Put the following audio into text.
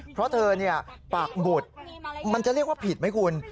เพราะเธอปากบุดมันจะเรียกว่าผิดไหมคุณ